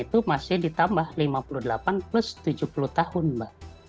itu masih ditambah lima puluh delapan plus tujuh puluh tahun mbak